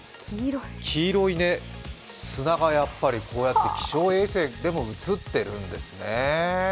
黄色い砂がやっぱりこうやって気象衛星でも映ってるんですね。